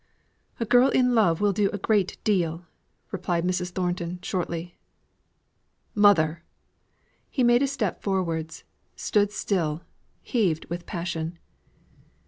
"A girl in love will do a good deal," replied Mrs. Thornton, shortly. "Mother!" He made a step forwards; stood still; heaved with passion.